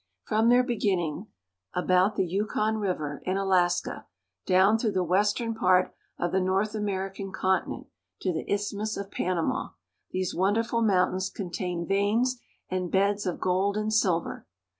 From their beginning about the Yukon River in Alaska, down through the western part of the North Ameri can continent to the Isthmus of Panama, these wonderful mountains contain veins and beds of gold and silver.